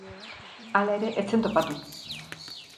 Hala ere, ez zen topatu.